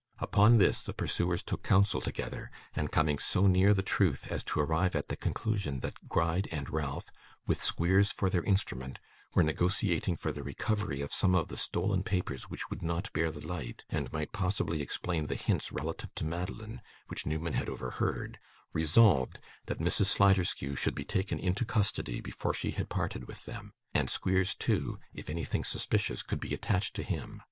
Upon this, the pursuers took counsel together, and, coming so near the truth as to arrive at the conclusion that Gride and Ralph, with Squeers for their instrument, were negotiating for the recovery of some of the stolen papers which would not bear the light, and might possibly explain the hints relative to Madeline which Newman had overheard, resolved that Mrs Sliderskew should be taken into custody before she had parted with them: and Squeers too, if anything suspicious could be attached to him.